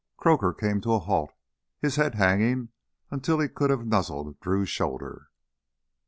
Croaker came to a halt, his head hanging until he could have nuzzled Drew's shoulder.